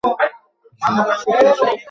ষোলোজন সখী আসিয়া নৃত্য আরম্ভ করে।